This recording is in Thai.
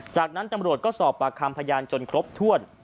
จากนั้นตำรวจก็สอบปากคำพยานจนครบถ้วน